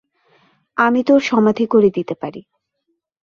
আমি তোর সমাধি করে দিতে পারি।